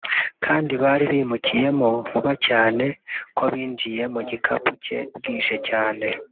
kandi bari bimukiyemo vuba cyane ko binjiye mu gipangu cye bwije cyane